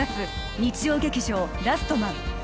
日曜劇場「ラストマン」